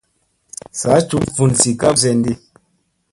Saa juɓ vun zii ka ɓuu senɗi.